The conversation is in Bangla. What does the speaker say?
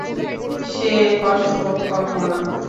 সে এক অসম্ভব কল্পনা।